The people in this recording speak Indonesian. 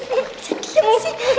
gak bisa diem sih